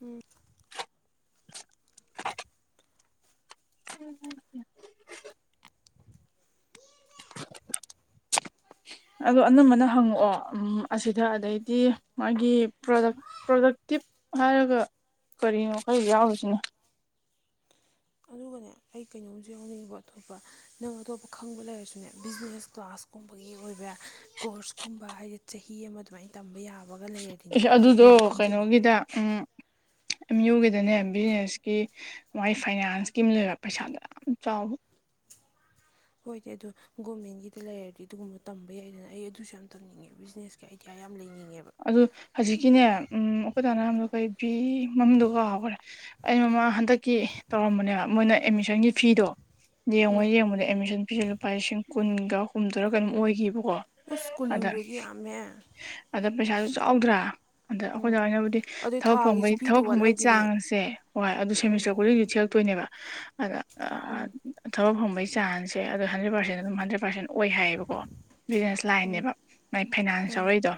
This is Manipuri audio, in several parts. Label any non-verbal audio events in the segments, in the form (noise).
ꯍ (unintelligible) (inaudible) ꯑꯗꯣ ꯑꯅꯝꯕꯅ ꯍꯪꯉꯛꯑꯣ ꯑꯁꯤꯗ ꯑꯗꯩꯗꯤ ꯃꯥꯒꯤ ꯄ꯭ꯔ ꯄ꯭ꯔꯣꯗꯛꯇ ꯍꯥꯏꯔꯒ ꯀꯔꯤꯅꯣ ꯈꯔ ꯌꯥꯎꯔꯤꯁꯤꯅ (inaudible) ꯅꯦ ꯑꯩ ꯀꯩꯅꯣꯝꯨ ꯌꯥꯎꯅꯤꯡꯉꯕ ꯑꯇꯣꯞꯄ ꯅꯪ ꯑꯇꯣꯞꯄ ꯈꯪꯕ ꯂꯩꯔꯁꯨꯅꯦ ꯕꯤꯖꯤꯅꯦꯁ ꯀ꯭ꯂꯥꯁꯀꯨꯝꯕꯒꯤ ꯑꯣꯏꯕ ꯀꯣꯔꯁꯀꯨꯝꯕ ꯍꯥꯏꯗꯤ ꯆꯍꯤ ꯑꯃ ꯑꯗꯨꯃꯥꯏꯅ ꯇꯝꯕ ꯌꯥꯕ ꯑꯦꯁ ꯑꯗꯨꯗꯣ ꯀꯩꯅꯣꯒꯤꯗ ꯎꯝ ꯑꯦꯝ ꯌꯨꯒꯤꯗꯅꯦ ꯕꯤꯖꯤꯅꯦꯁꯀꯤ ꯃꯥꯒꯤ ꯐꯥꯏꯅꯥꯟꯁꯀꯤꯝ ꯂꯩꯕ ꯄꯩꯁꯥꯗꯣ ꯌꯥꯝ ꯆꯥꯎꯕ ꯍꯣꯏꯗꯤ ꯑꯗꯨꯗ ꯒꯣꯔꯃꯦꯟꯒꯤꯗ ꯂꯩꯔꯗꯤ ꯑꯗꯨꯒꯨꯝꯕ ꯇꯝꯕ ꯌꯥꯏꯗꯅ ꯑꯩ ꯑꯗꯨꯁꯨ ꯌꯥꯝ ꯇꯝꯅꯤꯡꯉꯦ ꯕꯤꯖꯤꯅꯦꯁꯀꯤ ꯑꯥꯏꯗꯤꯌꯥ ꯌꯥꯝ ꯂꯩꯅꯤꯡꯉꯦꯕ ꯑꯗꯨ ꯍꯧꯖꯤꯛꯀꯤꯅꯦ ꯎꯝ ꯑꯩꯈꯣꯏ ꯇꯅꯔꯝꯗꯣ ꯀꯔꯤ ꯐꯤ ꯃꯝꯗ ꯍ ꯍꯥꯎꯈꯔꯦ ꯑꯩ ꯃꯃꯥ ꯍꯟꯗꯛꯀꯤ ꯇꯧꯔꯝꯕꯅꯦꯕ ꯃꯣꯏꯅ ꯑꯦꯠꯃꯤꯁꯟꯒꯤ ꯐꯤꯗꯣ ꯎꯝ ꯌꯦꯡꯉꯣꯏ ꯌꯦꯡꯉꯨꯅꯦ ꯑꯦꯗꯃꯤꯁꯟ ꯐꯤꯁꯦ ꯂꯨꯄꯥ ꯂꯤꯁꯤꯡ ꯀꯨꯟꯒ ꯍꯨꯝꯗꯔꯒ ꯑꯗꯨꯝ ꯑꯣꯏꯈꯤꯕꯣ ꯑꯣ ꯑꯁ ꯑꯗ ꯀꯨꯜꯍꯨꯝꯗꯣꯏꯗꯤ ꯌꯥꯝꯃꯦ ꯑꯗ ꯄꯩꯁꯥꯁꯨ ꯆꯥꯎꯗ꯭ꯔꯥ ꯑꯗ ꯑꯩꯈꯣꯏꯗ ꯑꯣꯏꯅꯕꯨꯗꯤ ꯑꯗꯨꯏ ꯊꯕꯛ ꯊꯥꯒꯤꯁꯨ ꯐꯪꯕꯒꯤ ꯄꯤꯗ ꯊꯕꯛ ꯐꯪꯕꯒꯤ ꯋꯥꯠꯂꯝꯈꯤꯅꯤ ꯆꯥꯡꯁꯦ ꯍꯣꯏ ꯑꯗꯨ ꯁꯦꯃꯤꯁꯇꯔ ꯈꯨꯗꯤꯡ ꯍꯧꯖꯤꯛ ꯊꯤ ꯇꯣꯏꯅꯦꯕ ꯑꯗ ꯊꯕꯛ ꯐ ꯃꯒꯤ ꯆꯥꯟꯁꯦ ꯑꯗꯣ ꯍꯟꯗ꯭ꯔꯦꯠ ꯄꯔꯁꯦꯟ ꯑꯗꯨꯝ ꯍꯟꯗ꯭ꯔꯦꯠ ꯄꯔꯦꯟ ꯑꯣꯏ ꯍꯥꯏꯌꯦꯕꯀꯣ ꯕꯤꯖꯤꯅꯦꯁ ꯂꯥꯏꯟꯅꯦꯕ ꯃꯥꯏ ꯐꯥꯏꯅꯥꯟꯁ ꯌꯥꯎꯔꯏꯗꯣ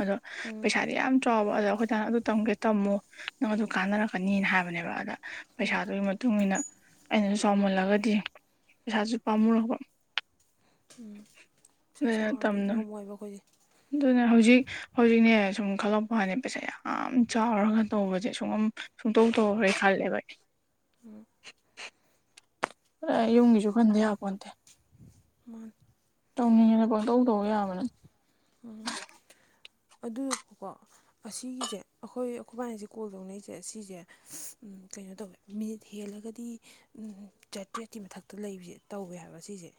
ꯑꯗꯣ ꯄꯩꯁꯥꯗꯤ ꯌꯥꯝ ꯆꯥꯎꯕ ꯑꯗꯣ ꯑꯩꯈꯣꯏꯗꯅ ꯑꯗꯨ ꯇꯝꯒꯦ ꯇꯝꯃꯣ ꯅꯪ ꯑꯗꯨ ꯀꯥꯟꯅꯔꯛꯀꯅꯤꯅ ꯍꯥꯏꯕꯅꯦꯕ ꯑꯗ ꯄꯩꯁꯥꯗꯨꯒꯤ ꯃꯇꯨꯡ ꯏ ꯃꯇꯨꯡꯏꯟꯅ ꯑꯩꯅꯁꯨ ꯆꯥꯎꯃꯜꯂꯒꯗꯤ ꯄꯩꯁꯥꯁꯨ ꯄꯥꯝꯃꯔꯕ ꯎ ꯄꯩꯁꯥ ꯆꯥꯎꯔꯗꯤ ꯉꯝꯃꯣꯏꯕ ꯑꯩꯈꯣꯏꯁꯦ ꯑꯗꯨꯅ ꯍꯧꯖꯤꯛ ꯍꯧꯖꯤꯛꯅꯦ ꯁꯨꯝ ꯈꯜꯂꯛꯄꯅꯦ ꯄꯩꯁꯥ ꯌꯥꯝ ꯆꯥꯎꯔꯒ ꯇꯧꯕꯁꯦ ꯁꯨꯡꯝ ꯁꯨꯡꯇꯧ ꯇꯣꯛꯈ꯭ꯔꯦ ꯈ ꯊꯦꯕꯥꯏ ꯌꯨꯝꯒꯤꯁꯨ ꯈꯟꯗꯦ ꯌꯥꯄꯣꯟꯇꯦ ꯃꯥ ꯇꯧꯅꯤꯡꯉꯦꯅ ꯄꯪꯇꯧ ꯇꯧꯕ ꯌꯥꯕ ꯅꯠꯇꯦ ꯎꯝ ꯑꯗꯨ ꯀꯣ ꯑꯁꯤꯒꯤꯁꯦ ꯑꯩꯈꯣꯏ ꯑꯩꯈꯣꯏꯕꯥꯅꯁꯦ ꯀꯣꯜ ꯇꯧꯅꯔꯤꯁꯦ ꯁꯤꯁꯦ ꯀꯩꯅꯣ ꯇꯧꯋꯦ ꯃꯤꯅꯤꯠ ꯍꯦꯜꯂꯒꯗꯤ ꯆꯥꯇ꯭ꯔꯦꯠꯀꯤ ꯃꯊꯛꯇ ꯂꯩꯕꯁꯦ ꯇꯧꯋꯦ ꯍꯥꯏꯕ ꯁꯤ ꯄꯖꯦ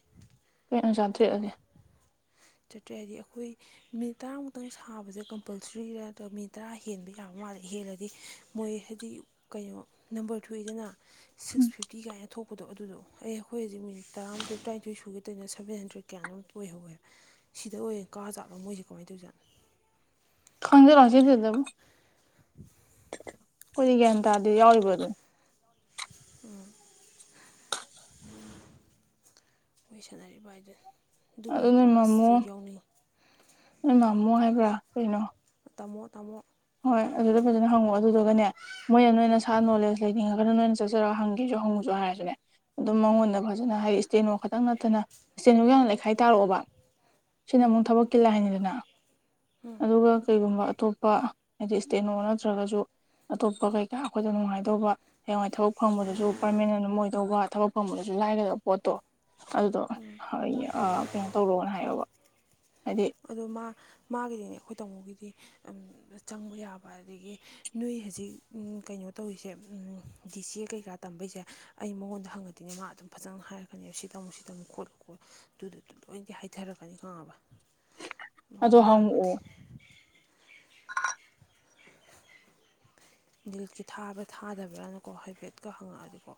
ꯑ ꯆꯥꯗ꯭ꯔꯤ ꯑꯗꯨꯒꯦ ꯆꯠꯇ꯭ꯔꯦ ꯍꯥꯏꯗꯤ ꯑꯩꯈꯣꯏ ꯃꯤꯠ ꯇꯔꯥꯃꯨꯛꯇꯪ ꯁꯥꯕꯁꯦ ꯀꯝꯄꯜꯁꯔꯤꯒ ꯅꯠꯇ ꯃꯤꯠ ꯇꯔꯥ ꯍꯦꯟꯕ ꯌꯥꯕ ꯃꯥ ꯍꯦꯜꯂꯗꯤ ꯃꯣꯏ ꯍꯥꯏꯗꯤ ꯀꯩꯅꯣ ꯅꯝꯕꯔ ꯊꯣꯛꯨꯏꯗꯅ ꯎꯝ ꯁꯤꯛꯁ ꯐꯤꯐꯇꯤ ꯀꯥꯏꯅ ꯊꯣꯛ ꯊꯣꯛꯄꯗꯣ ꯑꯗꯨꯗꯣ ꯑꯩꯈꯣꯏ ꯍꯧꯛ ꯃꯤꯠ ꯇꯔꯥꯊꯣꯏ ꯇꯔꯥꯅꯤꯊꯣꯏ ꯁꯨꯈꯤꯗꯣꯏꯅ ꯁꯕꯦꯟ ꯍꯟꯗ꯭ꯔꯦꯗ ꯀꯌꯥꯅꯣꯝ ꯑꯣꯏꯍꯧꯋꯦ ꯁꯤꯗ ꯑꯣꯏꯌꯦꯦ ꯀꯥ ꯆꯥꯠꯄ ꯃꯣꯏꯁꯦ ꯀꯃꯥꯏꯅ ꯇꯧꯖꯥꯠꯣ ꯈꯟꯖꯁꯤꯗꯗꯕ ꯀꯗꯤ ꯒ꯭ꯌꯥꯟ ꯇꯥꯗꯤ ꯌꯥꯎꯔꯤꯕ ꯑꯗꯨꯣ ꯎꯝ ꯎ ꯂꯣꯏ ꯁꯥꯟꯅꯔꯤꯕ ꯍꯥꯏꯗ ꯑꯗꯨ ꯅꯣꯏ ꯃꯃꯣ ꯅꯣꯏ ꯃꯃꯣ ꯍꯥꯏꯕ꯭ꯔꯥ ꯀꯩꯅꯣ ꯇꯥꯃꯣ ꯇꯥꯃꯣ ꯍꯣꯏ ꯑꯗꯨꯗ ꯐꯖꯅ ꯍꯪꯉꯛꯑꯣ ꯑꯗꯨꯗꯨꯒꯅꯦ ꯃꯣꯏꯅ ꯅꯣꯏꯅ ꯁꯥ ꯅꯣꯂꯦꯖ ꯂꯩꯅꯤꯡꯉꯒꯅ ꯅꯣꯏꯅ ꯆꯠꯆꯔꯒ ꯍꯪꯒꯁꯨ ꯍꯪꯉꯨꯁꯨ ꯍꯥꯏꯔꯁꯨꯅꯦ ꯑꯗꯨꯝ ꯃꯉꯣꯟꯗ ꯐꯖꯅ ꯍꯥꯏ ꯏꯁꯇꯦꯅꯣ ꯈꯛꯇꯪ ꯅꯠꯇꯅ ꯆꯇꯦꯅꯣ ꯌꯥꯝ ꯂꯩꯈꯥꯏ ꯇꯥꯔꯛꯑꯣꯕ ꯁꯤꯅ ꯑꯃꯨꯛ ꯊꯕꯛ ꯀꯤꯜꯂ ꯍꯥꯏꯅꯤꯗꯅ ꯑꯗꯨꯒ ꯀꯩꯒꯨꯝꯕ ꯑꯇꯣꯞꯄ ꯍꯥꯏꯗꯤ ꯏꯁꯇꯦꯠꯣ ꯅꯠꯇ꯭ꯔꯒꯁꯨ ꯑꯇꯣꯞꯄ ꯀꯩꯀꯥ ꯑꯩꯈꯣꯏꯗ ꯅꯨꯡꯉꯥꯏꯗꯧꯕ ꯍ ꯊꯕꯛ ꯐꯪꯕꯗꯨꯁꯨ ꯄꯔꯃꯅꯦꯟ ꯑꯃ ꯑꯣꯏꯗꯧꯕ ꯊꯕꯛ ꯐꯪꯕꯗꯨꯁꯨ ꯂꯥꯏꯒꯗꯕ ꯄꯣꯠꯇꯣ ꯑꯗꯨꯗꯣ ꯍ ꯀꯩꯅꯣ ꯇꯧꯔꯣꯅ ꯍꯥꯏꯌꯣꯕ ꯍꯥꯏꯗꯤ ꯑꯗꯣ ꯃꯥ ꯃꯥꯒꯤꯗꯤꯅꯦ ꯑꯩꯈꯣꯏ ꯇꯥꯃꯣꯒꯤ ꯆꯪꯕ ꯌꯥꯕ ꯑꯗꯒꯤ ꯅꯣꯏ ꯍꯧꯖꯤꯛ ꯀꯩꯅꯣ ꯇꯧꯔꯤꯁꯦ ꯗꯤ ꯁꯤ ꯑꯦ ꯀꯩꯀꯥ ꯇꯝꯕꯩꯁꯦ ꯑꯩ ꯃꯉꯣꯟꯗ ꯍꯪꯉꯗꯣꯏꯅꯦ ꯃꯥ ꯑꯗꯨꯝ ꯐꯖꯅ ꯍꯥꯏꯔꯛꯀꯅꯦꯕ ꯁꯤ ꯇꯝꯨ ꯁꯤ ꯇꯝꯨꯣꯠꯂꯣꯠꯂꯨ ꯑꯗꯨꯗꯨ ꯂꯣꯏꯅꯗꯤ ꯍꯥꯏꯊꯔꯛꯀꯅꯤ ꯈꯪꯉꯕ ꯑꯗꯣ ꯃꯉꯣꯟꯗ ꯍꯪꯉꯗꯤ ꯍꯪꯉꯛꯑꯣ ꯜꯀꯤ ꯊꯥꯕ꯭ꯔꯥ ꯊꯥꯗꯕ꯭ꯔꯅꯀꯣ ꯍꯥꯏꯐꯦꯠꯀ ꯍꯪꯉꯛꯑꯗꯤꯀꯣ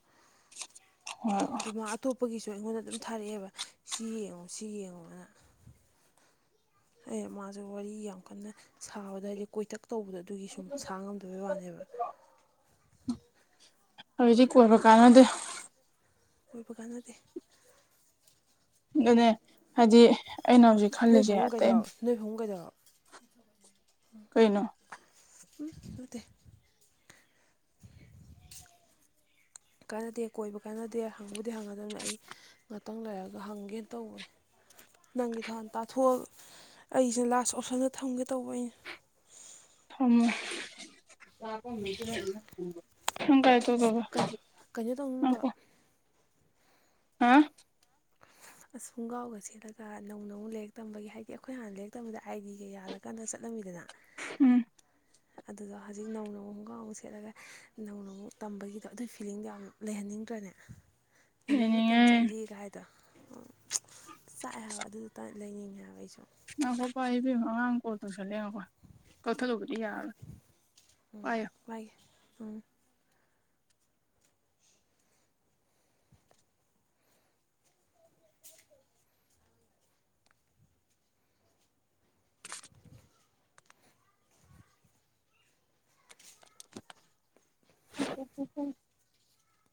ꯍꯣꯏ ꯑꯗꯨꯃ ꯑꯇꯣꯞꯄꯒꯤꯁꯨ ꯑꯩꯉꯣꯟꯗ ꯑꯗꯨꯝ ꯊꯥꯔꯛꯑꯦꯕ ꯁꯤ ꯌꯦꯡꯉꯣ ꯁꯤ ꯌꯦꯡꯉꯨꯅ ꯑꯦ ꯃꯥꯁꯨ ꯋꯥꯔꯤ ꯌꯥꯝ ꯀꯟꯅ ꯁꯥꯕꯗ ꯍꯥꯏꯗꯤ ꯀꯣꯏꯇꯛ ꯇꯧꯕꯗ ꯑꯗꯨꯒꯤ ꯁꯨꯝ ꯁꯥꯥꯡ ꯉꯝꯗꯕꯩ ꯋꯥꯅꯦꯕ ꯍꯧꯖꯤꯛꯇꯗꯤ ꯀꯣꯏꯕ ꯀꯥꯟꯅꯗꯦ ꯑꯩꯈꯣꯏꯕ ꯀꯅꯗꯤ ꯑꯗꯨꯅꯦ ꯍꯥꯏꯗꯤ ꯑꯩꯅ ꯍꯧꯖꯤꯛ ꯅꯣꯏ ꯈꯜꯂꯤꯁꯦ ꯐꯃꯨꯡ ꯑꯇꯩ ꯀꯩꯗꯧ ꯅꯣꯏ ꯐꯃꯨꯡ ꯀꯩꯗꯧ ꯀꯩꯅꯣ ꯎꯝ ꯅꯠꯇꯦ ꯀꯥꯟꯅꯗꯦ ꯀꯣꯏꯕ ꯀꯥꯟꯅꯗꯦ ꯍꯪꯕꯨꯗꯤ ꯍꯪꯒꯗꯕꯅꯤ ꯑꯩ ꯉꯥꯛꯇꯪ ꯂꯩꯔꯒ ꯍꯪꯒꯦꯅ ꯇꯧꯕꯅꯦ ꯅꯪꯒꯤ ꯊꯥꯟ ꯇꯥꯊꯣꯛꯑ ꯑꯩꯁꯦ ꯂꯥꯁ ꯑꯣꯞꯁꯟꯗ ꯊꯝꯒꯦ ꯇꯧꯕ ꯑꯩꯅ ꯍ ꯁꯪ ꯀ ꯑꯗꯨ ꯑꯗꯨ ꯑꯗꯨ ꯀꯩꯅꯣ ꯀꯩꯅꯣ ꯇꯧꯅꯤꯡꯗ꯭ꯔꯣ ꯎꯀ ꯍꯥ ꯑꯁꯨꯝꯒꯥꯎꯒ ꯁꯦꯠꯂꯒ ꯅꯧ ꯅꯧ ꯂꯥꯏꯔꯤꯛ ꯇꯝꯕꯒꯤ ꯍꯥꯏꯗꯤ ꯑꯩꯈꯣꯏ ꯍꯥꯟꯅ ꯂꯥꯏꯔꯤꯛ ꯇꯝꯕꯗ ꯑꯥꯏ ꯗꯤꯒ ꯌꯥꯜꯂꯀꯥꯟꯗ ꯆꯠꯂꯝꯃꯤꯗꯅ ꯎꯝ ꯑꯗꯨꯗꯣ ꯍꯧꯖꯤꯛ ꯅꯧꯅꯨꯛ ꯑꯃꯨꯛꯀ ꯑꯃꯨꯛ ꯁꯦꯠꯂꯒ ꯅꯧꯅ ꯑꯃꯨꯛ ꯇꯝꯕꯒꯤꯗꯣ ꯑꯗꯨꯒꯤ ꯐꯤꯂꯤꯡꯗꯣ ꯌꯥꯝ ꯂꯩꯍꯟꯅꯤꯡꯉꯦ ꯈꯪꯗ꯭ꯔꯅꯦ ꯀꯩꯅꯣ ꯃꯇꯝ ꯌꯦꯡꯅꯤꯡꯉꯦ ꯆꯠꯂꯤ ꯥꯏꯗꯣ ꯆꯥꯛꯑꯦ ꯍꯥꯏꯕ ꯑꯗꯨꯗꯨ ꯂꯩꯅꯤꯡꯉꯦ ꯍꯥꯏꯕ ꯑꯩꯁꯨ ꯅ ꯄꯣꯄ ꯏꯕꯤ ꯍꯥꯡ ꯀꯣꯠꯇ ꯆꯂ ꯀ ꯀꯊ ꯂꯨꯕꯗꯤ ꯌꯥꯔ ꯄꯣ ꯃꯥꯒꯤ ꯎꯝ ꯑꯣ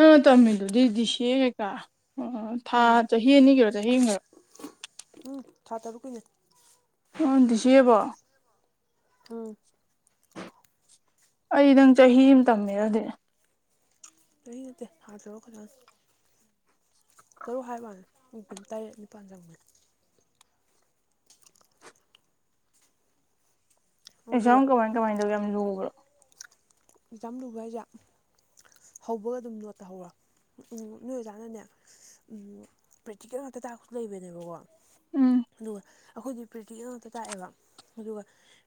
ꯑ ꯇꯃꯤꯗꯨꯗꯤꯗꯤꯁꯤꯦ ꯀꯥ ꯑꯣ ꯊꯥ ꯎꯝ ꯆꯍꯤ ꯑꯅꯤꯒꯤꯔꯣ ꯆꯍꯤ ꯃꯔꯔꯛ ꯎꯝ ꯊꯥ ꯇꯔꯨꯛꯣꯏꯅꯦ ꯍꯗꯤꯁꯤꯑꯕꯣ ꯎꯝ ꯑꯩ ꯅꯪ ꯆꯍꯤ ꯑꯃ ꯇꯝꯃꯦꯔꯗꯤ ꯂ ꯅꯠꯇꯦ ꯍꯥꯠꯇꯔꯀꯗ ꯆꯔꯨꯛ ꯍꯥꯏ ꯃꯥꯂ ꯑꯗꯨꯝ ꯇꯔꯦꯠ ꯅꯤꯄꯥꯜ ꯆꯪꯕꯅꯤ ꯑꯦꯁꯨ ꯑꯗꯨꯒ ꯌꯥꯝ ꯀꯃꯥꯏ ꯀꯃꯥꯏꯅ ꯇꯧꯒꯦ ꯌꯥꯝ ꯂꯨꯕ꯭ꯔꯣ ꯑꯦꯛꯖꯥꯝ ꯂꯨꯕ ꯍꯥꯏꯁꯦ ꯍꯧꯕꯒ ꯑꯗꯨꯝ ꯅꯣꯠꯇꯍꯧꯔ ꯎ ꯎꯝ ꯅꯣꯏ ꯑꯣꯖꯥꯅꯅꯦ ꯎꯝ ꯄ꯭ꯔꯦꯛꯇꯤꯀꯦꯜ ꯉꯥꯛꯇ ꯇꯥꯛꯄꯁꯨ ꯂꯩꯕꯅꯦꯕꯀꯣ ꯎꯝ ꯑꯗꯨꯒ ꯑꯩꯈꯣꯏꯗꯤ ꯄ꯭ꯔꯦꯛꯇꯤꯀꯦꯜ ꯉꯇ ꯇꯥꯛꯑꯦꯕ ꯑꯗꯨꯒ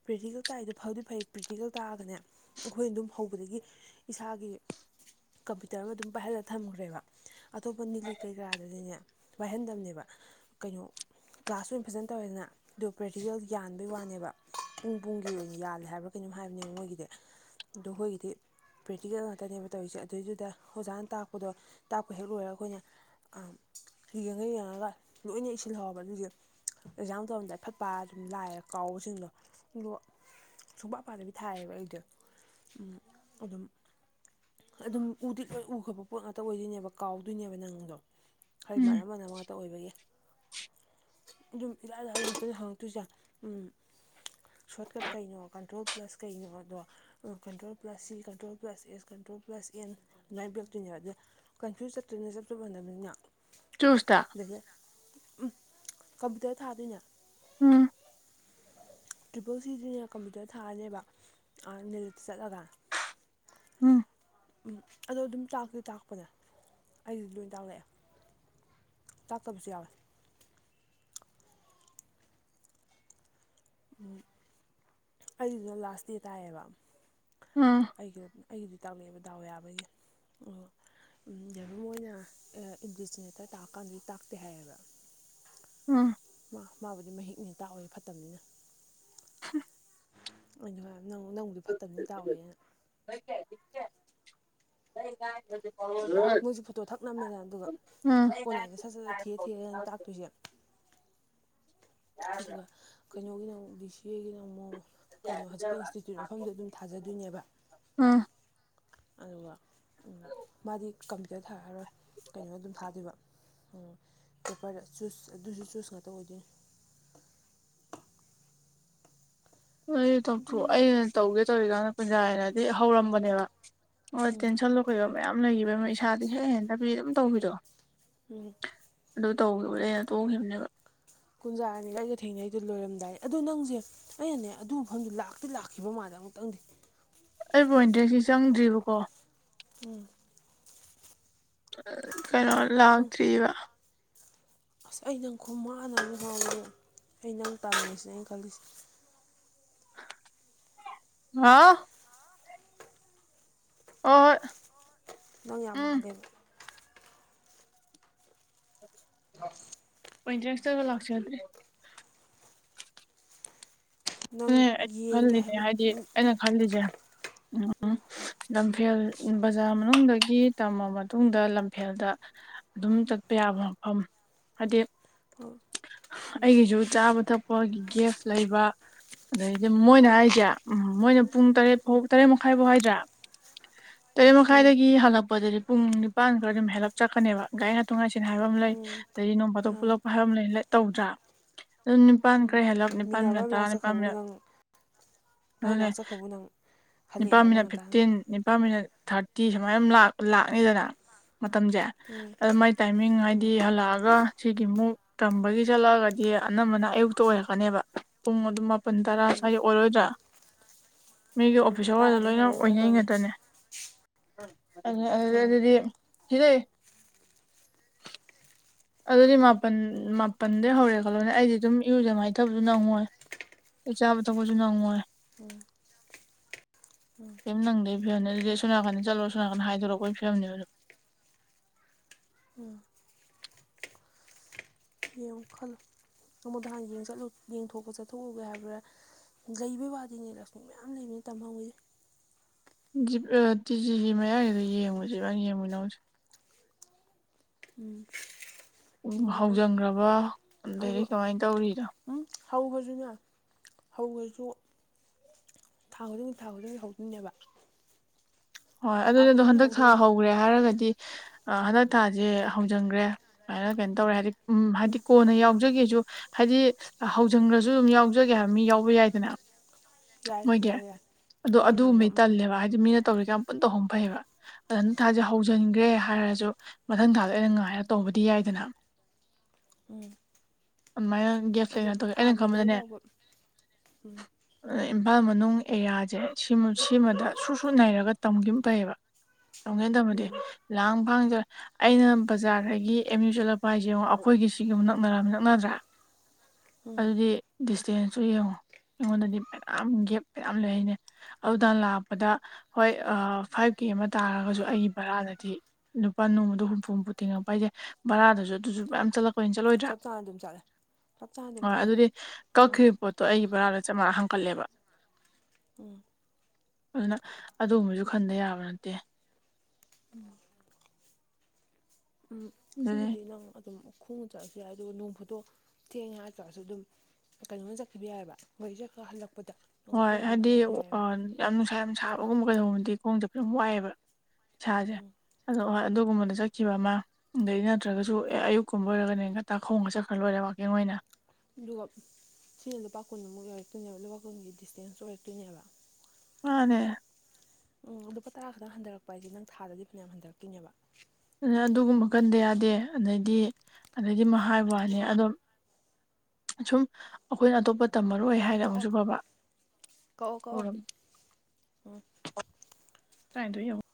ꯄ꯭ꯔꯦꯛꯇꯤꯀꯦꯜ ꯇꯥꯛꯏꯗ ꯐꯥꯎꯗꯤ ꯐꯩ ꯄ꯭ꯔꯦꯛꯇꯤꯀꯦꯜ ꯇꯥꯛꯑꯒꯅꯦ ꯑꯩꯈꯣꯏ ꯑꯗꯨꯝ ꯍꯧꯕꯗꯒꯤ ꯏꯁꯥꯒꯤ ꯀꯝꯄ꯭ꯌꯨꯇꯔ ꯑꯃ ꯑꯗꯨꯝ ꯄꯥꯏꯍꯜꯂꯒ ꯊꯝꯈꯨꯔꯦꯕ ꯑꯇꯣꯞꯄ ꯅꯤꯂꯤꯛ ꯀꯩꯀꯔꯥꯗꯗꯤꯅꯦ ꯋꯥꯏꯍꯟꯗꯕꯅꯦꯕ ꯀꯩꯅꯣ ꯀ꯭ꯂꯥꯁ ꯑꯣꯏꯅ ꯐꯖꯅ ꯇꯧꯋꯦꯗꯅ ꯑꯗꯨꯗꯣ ꯄ꯭ꯔꯦꯛꯇꯤꯀꯦꯜ ꯌꯥꯕꯩ ꯋꯥꯅꯦꯕ ꯄꯨꯡ ꯄꯨꯡꯒꯤ ꯑꯣꯏꯅ ꯌꯥꯜꯂꯦ ꯍꯥꯏꯕ꯭ꯔꯥ ꯀꯩꯅꯣꯝ ꯍꯥꯏꯕꯅꯦ ꯃꯣꯏꯒꯤꯗꯤ ꯑꯗꯣ ꯑꯩꯈꯣꯏꯒꯤꯗꯤ ꯄ꯭ꯔꯦꯛꯇꯤꯀꯦꯜ ꯉꯥꯛꯇꯅꯦꯕ ꯇꯧꯔꯤꯁꯦ ꯑꯗꯨꯏꯗꯨꯗ ꯑꯣꯖꯥꯅ ꯇꯥꯛꯄꯗꯣ ꯇꯥꯛꯄ ꯍꯦꯛ ꯂꯣꯏꯔꯒ ꯑꯩꯈꯣꯏꯅ ꯌꯦꯡꯉꯒ ꯌꯦꯡꯉꯒ ꯂꯣꯏꯅ ꯏꯁꯤꯜꯍꯥꯎꯕ ꯑꯗꯨ ꯌꯦ ꯑꯦꯛꯖꯥꯝ ꯇꯧꯔꯝꯗꯥꯏ ꯐꯠꯄ ꯑꯗꯨꯝ ꯂꯥꯛꯑꯦ ꯀꯥꯎꯕꯁꯤꯡꯗꯣ ꯑꯗꯣ ꯁꯨꯡꯄ ꯑꯄꯥꯗꯕꯤ ꯊꯥꯏꯌꯦꯕ ꯑꯩꯗꯣ ꯑꯗꯨꯝ ꯑꯗꯨꯝ ꯎꯗꯤ ꯂ ꯎ ꯈꯠꯄ ꯄꯣꯠ ꯉꯥꯛꯇ ꯑꯣꯏꯗꯣꯏꯅꯦꯕ ꯀꯥꯎꯗꯣꯏꯅꯦꯕ ꯅꯪꯗꯣ ꯈꯔ ꯃꯅ ꯎꯝ ꯑꯃꯅ ꯉꯥꯛꯇ ꯑꯣꯏꯕꯒꯤ (unintelligible) ꯑꯗꯨꯝ ꯏꯔꯥꯏ ꯂꯥꯏ ꯂꯅ ꯍꯪꯉꯛꯇꯣꯏꯁꯦ ꯎꯝ ꯁꯣꯔꯠꯀꯠ ꯀꯩꯩꯅꯣ ꯀꯟꯇ꯭ꯔꯣꯜ ꯄ꯭ꯂꯁ ꯀꯩꯩꯅꯣ ꯑꯗꯣ control plus C control plus S control plus N ꯑꯗꯨꯃꯥꯏꯅ ꯄꯕꯤꯔꯛꯇꯣꯏꯅꯦꯕ ꯑꯗ ꯀꯟꯐ꯭ꯌꯨꯁ ꯆꯠꯇꯣꯏ ꯑꯗꯨ ꯆꯞ ꯆ ꯃꯣꯕꯅꯤꯅ ꯆꯨꯁꯇ ꯎꯝ ꯀꯝꯄꯌꯨꯇꯔ ꯊꯥꯗꯣꯏꯅꯦ ꯎꯝ ꯇ꯭ꯔꯤꯄꯜ ꯁꯤꯁꯤꯅꯦ ꯀꯝꯄ꯭ꯌꯨꯇꯔ ꯊꯥꯑꯅꯦꯕ ꯅꯦꯠꯇ ꯆꯠꯂꯒ ꯎꯝ ꯝ ꯑꯗꯣ ꯑꯗꯨꯝ ꯇꯥꯛꯇꯦ ꯇꯥꯛꯄꯅꯦ ꯑꯩꯁꯤꯗꯤ ꯂꯣꯏ ꯇꯥꯛꯂꯛꯑꯦ ꯆꯥ ꯇꯣꯁꯤ ꯌꯥꯔ ꯑꯩꯒꯤꯗ ꯂꯥꯁ ꯗꯦ ꯇꯥꯏꯌꯦꯕ ꯎꯝ ꯑꯩꯒꯤ ꯑꯩꯒꯤꯗꯤ ꯇꯥꯛꯂꯛꯑꯕ ꯗꯥꯎ ꯌꯥꯕꯒꯤ ꯑꯣ ꯗꯣꯏ ꯑꯣꯏꯅ ꯏꯟꯗꯤꯗꯤꯖꯤꯅꯦꯇꯔ ꯇꯥꯛꯑꯀꯥꯟꯗꯗꯤ ꯇꯥꯛꯇꯦ ꯍꯥꯏꯌꯦꯕ ꯑꯝ ꯃꯥ ꯃꯥꯕꯨꯗꯤ ꯃꯍꯤꯛꯅꯦ ꯇꯥꯛꯑꯣꯏ ꯐꯠꯇꯕꯅꯤꯅ ꯎ ꯑꯩꯅ ꯅꯪꯕꯨꯗꯤ ꯐꯠꯇꯕꯅ ꯇꯥꯎꯋꯦꯅ ꯍ ꯀꯦ ꯑꯩ ꯍꯥꯏ ꯃꯣꯏꯁꯨꯦ ꯐꯣꯇꯣ ꯊꯛ ꯅꯝꯃꯦꯗ ꯑꯗꯨꯒ ꯎꯝ ꯑꯣꯟꯂꯥꯏꯟꯁꯦ ꯁꯠ ꯁꯠ ꯁꯠ ꯊꯤꯔꯦ ꯊꯤꯔꯦ ꯍꯥꯏꯅ ꯇꯥꯛꯇꯣꯏꯁꯦ ꯑꯗꯨꯒ ꯀꯩꯅꯣꯒꯤꯅ ꯑꯃꯨꯛ ꯗꯤ ꯁꯤ ꯑꯦꯒꯤꯅ ꯑꯃꯨꯛ ꯀꯩꯅꯣ ꯍꯧꯖꯤꯛꯀꯤ ꯏꯟꯁꯇꯤꯇ꯭ꯌꯨꯠ ꯃꯐꯝꯗ ꯑꯗꯨꯝ ꯊꯥꯖꯗꯣꯏꯅꯦꯕ ꯎꯝ ꯑꯗꯨꯒ ꯃꯥꯗꯤ ꯀꯝꯄ꯭ꯌꯨꯇꯔ ꯊꯥꯔꯣꯏ ꯀꯩꯅꯣ ꯑꯗꯨꯝ ꯊꯥꯗꯣꯏꯕ ꯑꯣꯔ ꯆꯁ ꯑꯗꯨꯁꯨ ꯆꯨꯁ ꯉꯥꯛꯇ ꯑꯣꯏꯗꯣꯏꯅꯤ (unintelligible) ꯑꯩ ꯗꯣꯛꯇ꯭ꯔꯣ ꯑ ꯑꯗꯨꯝ ꯇꯧꯒꯦ ꯇꯧꯔꯤꯀꯥꯟꯗ ꯀꯨꯟꯖꯥꯅꯗꯤ ꯍꯧꯔꯝꯕꯅꯦꯕ ꯍꯣꯏ ꯇꯦꯟꯁꯟ ꯂꯣ ꯀꯩꯕ ꯃꯌꯥꯝ ꯂꯩꯈꯤꯕꯅ ꯏꯁꯥꯗꯤ ꯍꯦꯛ ꯍꯦꯟꯗꯕꯤ ꯑꯗꯨꯝ ꯇꯧꯕꯤꯔꯣ ꯎꯝ ꯑꯗꯨ ꯇꯧꯈꯤꯕꯅꯦ ꯑꯩꯅ ꯇꯣꯡꯈꯤꯕꯅꯦꯕ ꯀꯨꯟꯖꯥꯅꯤꯒ ꯑꯩꯒ ꯊꯦꯡꯅꯩꯗꯣ ꯂꯣꯏꯔꯝꯗꯥꯏ ꯑꯗꯨꯗꯣ ꯅꯪꯁꯦ ꯑꯩꯅꯅꯦ ꯑꯗꯨ ꯃꯐꯝꯗꯨ ꯂꯥꯛꯇꯤ ꯂꯥꯛꯈꯤꯕ ꯃꯥꯜꯂꯦ ꯇ ꯇ ꯑꯩꯕꯨ ꯑꯣꯏꯟꯗ꯭ꯔꯦꯁꯤ ꯆꯪꯗ꯭ꯔꯤꯕꯀꯣ ꯎꯝ ꯀꯩꯅꯣ ꯈꯪ ꯂꯥꯎꯇ꯭ꯔꯤꯕ ꯑꯁ ꯑꯩ ꯅꯪ ꯈꯣꯡ ꯃꯅꯕ ꯍ ꯑꯩ ꯅꯪ ꯇꯝꯉꯃꯤꯁꯤꯅ ꯑꯩꯅ ꯈꯜꯂꯤꯁꯦ ꯍꯥꯥ ꯑꯣ ꯅꯪ ꯌꯥꯝ ꯃꯥꯜꯂꯦꯕ ꯄꯣꯏꯇꯔꯦꯁꯇꯒ ꯂꯥꯛꯆꯒꯗ꯭ꯔꯦ ꯅꯪ ꯑꯩꯩꯅ ꯌꯦꯡꯒꯦ ꯈꯜꯂꯤꯅꯦ ꯍꯥꯏꯕ ꯍꯥꯏꯗꯤ ꯑꯩꯅ ꯈꯜꯂꯤꯁꯦ ꯎꯝ ꯂꯝꯐꯦꯜ ꯕꯖꯥꯔ ꯃꯅꯨꯡꯗꯒꯤ ꯇꯝꯃ ꯃꯇꯨꯡꯗ ꯂꯝꯐꯦꯜꯗ ꯑꯗꯨꯝ ꯆꯠꯄ ꯌꯥꯕ ꯑ ꯍꯥꯏꯗꯤ ꯎꯝ ꯑꯩꯒꯤꯁꯨ ꯆꯥꯕ ꯊꯛꯄꯒꯤ ꯒꯦꯁ ꯂꯩꯕ ꯑꯗꯩꯗꯤ ꯃꯣꯏꯅ ꯍꯥꯏꯁꯦ ꯎꯝ ꯃꯣꯏꯅ ꯄꯨꯡ ꯇꯔꯦꯠ ꯐꯥꯎ ꯇꯔꯦꯠ ꯃꯈꯥꯏ ꯐꯥꯎ ꯍꯥꯏꯁꯦ ꯇꯔꯦꯠ ꯎꯝ ꯃꯈꯥꯏꯗꯒꯤ ꯍꯜꯂꯛꯄꯗ ꯄꯨꯡ ꯅꯤꯄꯥꯟ ꯈꯔ ꯑꯗꯨꯝ ꯍꯦꯜꯂꯞ ꯆꯠꯀꯅꯦꯕ ꯒꯥꯔꯤ ꯉꯥꯛꯇ ꯉꯥꯏꯦ ꯀ ꯍꯥꯏꯕ ꯑꯃ ꯂꯩ ꯎꯝ ꯑꯗꯗꯒꯤ ꯅꯣꯡ ꯄꯥꯇꯣꯛ ꯃꯥꯅꯤ ꯄꯨꯂꯛꯄ ꯍꯥꯏꯕ ꯑꯃ ꯂꯩ ꯇꯧꯗ꯭ꯔꯥ ꯑꯗꯨꯝ ꯅꯤꯄꯥꯟ ꯈꯔꯦ ꯍꯂꯛ ꯅꯤꯄꯥꯟ ꯇꯔꯥ ꯅꯤꯄꯥꯟ ꯅꯥꯛꯁꯛꯈꯕ ꯃꯤꯅꯠ ꯅꯪ ꯃꯥꯏ ꯑꯗꯨꯅꯦ ꯃꯅꯥꯛ ꯆꯠꯈ꯭ꯔꯕꯨ ꯅꯪ ꯈꯜꯂꯛꯑꯦ ꯅꯤꯄꯥꯜ ꯍꯥꯏꯕ ꯃꯤꯅꯠ ꯉꯟꯇꯥꯅ ꯐꯤꯞꯇꯤꯟ ꯅꯤꯄꯥꯜ ꯃꯤꯅꯠ ꯊꯥꯔꯇꯤ ꯁꯨꯃꯥꯏꯅ ꯂꯥꯛꯅꯤꯗꯅ ꯃꯇꯝꯁꯦ ꯎꯝ ꯑꯗ ꯃꯥꯏ ꯇꯥꯏꯃꯤꯡ ꯎꯝ ꯍꯥꯏꯗꯤ ꯍꯜꯂꯛꯑꯒ ꯁꯤꯒꯤꯃꯨꯛ ꯇꯝꯕꯒꯤ ꯆꯠꯂꯛꯑꯒꯗꯤ ꯑꯅꯝꯕꯅ ꯑꯌꯨꯛꯇ ꯑꯣꯏꯔꯛꯀꯅꯦꯕ ꯄꯨꯡ ꯑꯗꯨꯝ ꯄꯟ ꯇꯔꯥ ꯎꯝ ꯁ꯭ꯋꯥꯏ ꯑꯣꯏꯔꯣꯏꯗ꯭ꯔꯥ ꯃꯤꯒꯤ ꯎꯝ ꯑꯣꯐꯤꯁ ꯑꯋꯥꯗ ꯇꯥꯗꯦ ꯂꯣꯏꯅ ꯍꯧꯋꯦꯅ ꯑꯣꯏꯅꯩ ꯈꯜꯂꯣꯅꯦ ꯉꯥꯛꯇꯅꯦ ꯑ ꯎꯝ ꯑꯗꯨꯗꯤ ꯁꯤꯔꯦ ꯑꯗꯨꯗꯤ ꯃꯥꯄꯜ ꯃꯥꯄꯜꯗꯩ ꯍꯧꯔꯦ ꯈꯜꯂꯣꯅꯦ ꯑꯩꯗꯤ ꯑꯗꯨꯝ ꯏꯔꯨꯗꯃꯥꯏꯅ ꯇꯧꯕꯗꯨ ꯅꯪꯉꯣꯏ ꯏ ꯆꯥꯕꯗ ꯀꯁꯨ ꯅꯉꯦ ꯎꯝ ꯀ ꯅꯪꯒꯦ ꯐꯤꯝꯅꯦ ꯑꯗꯨꯗꯤ ꯁꯣꯝꯅꯥꯀꯟꯗ ꯆꯠꯂꯣ ꯁꯣꯅꯥꯀꯟꯗ ꯍꯥꯏꯗꯣꯔꯛꯑꯣ ꯑꯩꯣꯏ ꯐꯤꯕꯝꯅꯤ ꯑꯗꯣ ꯎꯝ ꯌꯦꯡꯉꯨ ꯈꯜꯂ ꯑꯃꯨꯗ ꯍꯥꯟꯅ ꯌꯦꯡꯊꯣꯛꯄ ꯆꯠꯊꯣꯛꯎꯒꯦ ꯍꯥꯏꯕ꯭ꯔꯥ ꯂꯩꯕꯩ ꯋꯥꯗꯤꯅꯦ ꯂꯛꯁꯃꯤ ꯃꯌꯥꯝ ꯂꯩꯕꯅꯤ ꯇꯝꯍꯧꯕꯁꯦ ꯇꯤ ꯖꯤꯖꯤ ꯃꯌꯥꯒꯤꯗ ꯌꯦꯡꯉꯨ ꯖꯤꯕꯥꯅ ꯌꯦꯡꯉꯨ ꯅꯪꯁ ꯎꯝ ꯎ ꯗꯣꯃꯤꯅꯣꯁ ꯍꯧꯖꯪꯈ꯭ꯔꯕ ꯑꯗꯒꯤ ꯀꯃꯥꯏꯅ ꯇꯧꯔꯤꯅ ꯍꯧꯈ꯭ꯔꯁꯨꯅꯦ ꯍꯧꯈ꯭ꯔꯁꯨ ꯊꯥ ꯈꯨꯗꯤꯡꯛꯇ ꯊꯥ ꯈꯨꯗꯤꯡꯗꯒꯤ ꯍꯧꯗꯣꯏꯅꯦꯕ ꯍꯣꯏ ꯊꯥ ꯑꯗꯨꯗꯣ ꯈꯨꯗꯤꯡꯒꯤ ꯍꯟꯗꯛ ꯊꯥ ꯍꯧꯗꯣꯏꯅꯦ ꯍꯧꯈ꯭ꯔꯦ ꯍꯥꯏꯔꯒꯗꯤ ꯍꯟꯗꯛ ꯊꯥꯁꯦ ꯍꯧꯖꯤꯟꯈ꯭ꯔꯦ ꯑꯗꯨꯃꯥꯏꯅ ꯀꯩꯅꯣ ꯇꯧꯔꯦ ꯍꯥꯏꯗꯤ ꯎ ꯍꯥꯏꯗꯤ ꯀꯣꯟꯅ ꯌꯥꯎꯖꯒꯦꯁꯨ ꯍꯥꯏꯗꯤ ꯍꯧꯖꯪꯈꯁꯨ ꯑꯗꯨꯝ ꯌꯥꯎꯖꯒꯦ ꯍꯥꯏꯕ ꯃꯤ ꯌꯥꯎꯕ ꯌꯥꯏꯗꯅ ꯌꯥꯏ ꯃꯣꯏꯒꯤ ꯌꯥꯏ ꯌꯥꯏ ꯑꯗꯣ ꯍꯧꯖꯤꯟꯈ꯭ꯔꯁꯨ ꯑꯗꯨꯒꯨꯝꯕꯩ ꯎꯝ ꯇꯜꯂꯦꯕ ꯍꯥꯏꯗꯤ ꯃꯤꯅ ꯇꯧꯔꯤ ꯀꯌꯥꯝ ꯄꯨꯟ ꯇꯧꯍꯨꯝ ꯐꯩꯌꯦꯕ ꯑꯗ ꯅꯅꯨꯡ ꯊꯥꯁꯦ ꯍꯧꯖꯤꯟꯈ꯭ꯔꯦ ꯍꯥꯏꯔꯁꯨ ꯃꯊꯪ ꯊꯥꯗ ꯑꯩꯅ ꯉꯥꯏꯔꯒ ꯇꯧꯕꯗꯤ ꯌꯥꯏꯗꯅ ꯎꯝ ꯑꯗꯨꯃꯥꯏꯅ ꯒꯦꯁ ꯑꯗꯨꯝ ꯂꯩ ꯇꯧꯒꯦ ꯊꯥ ꯑꯩꯅ ꯃꯤꯗꯜ ꯈꯪꯕꯗꯅꯦ ꯐꯥꯎꯕ ꯎꯝ ꯑ ꯏꯝꯐꯥꯜ ꯃꯅꯨꯡꯗ ꯅꯨꯡ ꯑꯦꯔꯤꯌꯥꯁꯦ ꯁꯤꯃꯗ ꯁꯨ ꯁꯨ ꯅꯩꯔꯒ ꯇꯝꯈꯤꯕ ꯐꯩꯌꯦꯕ ꯆꯧꯒꯦ ꯇꯝꯃꯗꯤ ꯎꯝ ꯂꯥꯡ ꯐꯥꯡꯗ꯭ꯔ ꯑꯩꯅ ꯕꯖꯥꯔꯗꯒꯤ ꯑꯦꯝ ꯌꯨ ꯆꯠꯂꯛꯄ ꯍꯥꯏꯁꯦꯡꯨꯛ ꯑꯩꯈꯣꯏꯒꯤ ꯁꯤꯒ ꯑꯃꯨꯛ ꯅꯛꯅꯔꯃꯤ ꯅꯛꯅꯗ꯭ꯔꯥ ꯎꯝ ꯑꯗꯨꯗꯤ ꯗꯤꯁꯇꯦꯟꯁꯁꯨ ꯌꯦꯡꯉꯨ ꯑꯩꯉꯣꯟꯗꯗꯤ ꯃꯌꯥꯝ ꯒꯦꯞ ꯃꯌꯥꯝ ꯂꯩ ꯍꯥꯏꯅꯦ ꯑꯗꯨꯗ ꯂꯥꯛꯄꯗ ꯍꯣꯏ ꯐꯥꯏꯚ ꯀꯦ ꯑꯃ ꯇꯥꯔꯒꯁꯨ ꯑꯩꯒꯤ ꯕꯔꯥꯗꯗꯤ ꯂꯨꯄꯥ ꯅꯣꯡꯃꯗ ꯍꯨꯝꯐꯨ ꯍꯨꯝꯐꯨ ꯇꯤꯡꯉꯛꯄ ꯍꯥꯏꯖꯩ ꯕꯔꯥꯗꯁꯨ ꯑꯗꯨꯁꯨ ꯃ ꯆꯠꯂꯛ ꯀꯣꯏꯟ ꯆꯠꯂꯣꯏꯗ꯭ꯔꯥ ꯆꯞ ꯆꯥꯅ ꯑꯗꯨꯝ ꯆꯠꯂꯦ ꯆꯞ ꯆꯥꯅ ꯑ ꯑꯗꯨꯝ ꯆꯠꯂꯦ ꯑꯗꯨꯗꯤ ꯀꯛ꯭ ꯄꯣꯠꯇꯣ ꯑꯩꯒꯤ ꯕꯣꯔꯥꯗ ꯆꯥꯝꯃꯉꯥ ꯍꯥꯡꯀꯠꯂꯦꯕ ꯎꯝ ꯑꯗꯨꯅ ꯑꯗꯨꯒꯕꯁꯨ ꯈꯟꯕ ꯌꯥꯕ ꯅꯠꯇꯦ ꯎꯝ ꯎꯝ ꯑꯗꯨꯗꯤ ꯁꯤꯒꯤꯗꯤ ꯅꯪ ꯑꯗꯨꯝ ꯈꯣꯡ ꯆꯠꯂꯁꯨ ꯌꯥꯏ ꯑꯗꯨꯒ ꯅꯣꯡ ꯐꯨꯠꯇꯣ ꯊꯦꯡꯉꯦ ꯍꯥꯏꯇꯥꯔꯁꯨ ꯑꯗꯨꯝ ꯀꯩꯅꯣꯝ ꯆꯠꯈꯤꯕ ꯌꯥꯏꯑꯕ ꯃꯩꯁ ꯈꯔ ꯍꯜꯂꯛꯄ ꯍꯣꯏ ꯍꯥꯏꯗꯤ ꯌꯥꯝ ꯅꯨꯡꯁꯥ ꯌꯥꯝ ꯁꯥꯕꯒꯨꯝꯕ ꯀꯩꯗꯣꯒꯕꯗꯤ ꯈꯣꯡꯁꯦ ꯐ ꯌꯥꯝ ꯋꯥꯏꯑꯦꯕ ꯏꯁꯥꯁꯦ ꯑꯗꯣ ꯍꯣꯏ ꯑꯗꯨꯒꯨꯝꯕꯗ ꯆꯠꯈꯤꯕ ꯑꯃ ꯑꯗꯩ ꯅꯠꯇ꯭ꯔꯒꯁꯨ ꯑꯦ ꯑꯌꯨꯛꯀꯨꯝꯕ ꯑꯣꯏꯔꯒꯅꯦꯒꯇꯥ ꯈꯣꯡꯒ ꯆꯠꯈ꯭ꯔ ꯂꯣꯏꯔꯦ ꯋꯥꯛꯀꯤꯡ ꯑꯣꯏꯅ ꯑꯗꯨꯒ ꯁꯤꯅ ꯂꯨꯄꯥ ꯀꯨꯟꯃꯨꯛ ꯂ ꯑꯣꯏꯔꯛꯇꯣꯏꯅꯦꯕ ꯂꯨꯄꯥ ꯀꯨꯟꯒꯤ ꯗꯤꯁꯇꯦꯟꯁ ꯑꯣꯏꯔꯛꯇꯣꯏꯅꯦꯕ ꯑꯅꯦ ꯎꯝ ꯂꯨꯄꯥ ꯇꯔꯥ ꯈꯛꯇꯪ ꯍꯟꯊꯔꯛꯄ ꯍꯥꯏꯁꯦ ꯅꯪ ꯊꯥꯗꯗꯤ ꯐꯅꯌꯥꯝ ꯍꯟꯊꯔꯛꯈꯤꯅꯦꯕ ꯑꯗꯨꯒꯨꯝꯕ ꯀꯟꯗ ꯌꯥꯗꯦ ꯑꯗꯩꯗꯤ ꯑꯗꯩꯗꯤ ꯃꯍꯥꯏ ꯋꯥꯅꯤ ꯑꯗꯨꯝ ꯁꯨꯝ ꯑꯩꯈꯣꯏꯅ ꯑꯇꯣꯞꯄ ꯇꯝꯃꯔꯣꯏ ꯌꯥꯔꯦ ꯍꯥꯏꯅ ꯀꯛꯑꯣ ꯑꯃꯨꯛꯁꯨ ꯐꯕ ꯎꯔꯝ ꯑꯣ ꯇꯥꯏ ꯇ